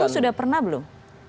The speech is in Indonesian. di palu sudah pernah belum